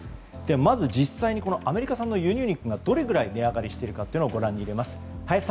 まず実際にアメリカ産の輸入肉がどれくらい値上がりしているかをご覧に入れます。